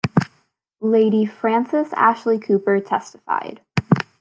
Lady Frances Ashley-Cooper testified.